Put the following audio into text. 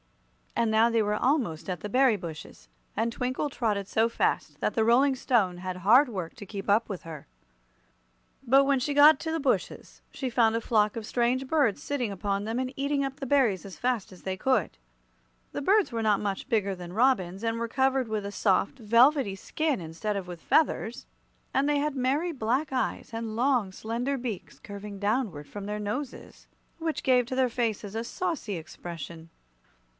And now they were almost at the berry bushes, and Twinkle trotted so fast that the Rolling Stone had hard work to keep up with her. But when she got to the bushes she found a flock of strange birds sitting upon them and eating up the berries as fast as they could. The birds were not much bigger than robins, and were covered with a soft, velvety skin instead of with feathers, and they had merry black eyes and long, slender beaks curving downward from their noses, which gave to their faces a saucy expression.